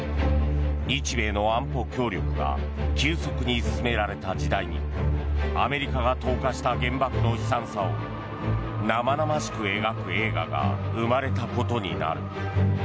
日米の安保協力が急速に進められた時代にアメリカが投下した原爆の悲惨さを生々しく描く映画が生まれたことになる。